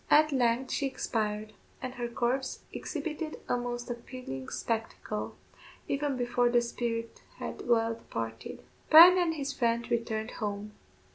At length she expired, and her corpse exhibited a most appalling spectacle, even before the spirit had well departed. Bryan and his friend returned home.